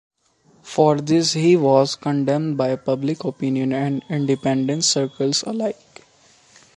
For this he was condemned by public opinion and independence circles alike.